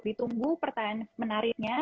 ditunggu pertanyaan menariknya